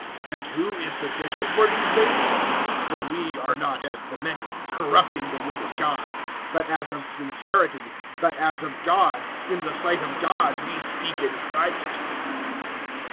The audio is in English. And who is sufficient for these things? (17)For we are not as the many, corrupting the word of God; but as of sincerity, but as of God, in the sight of God we speak in Christ.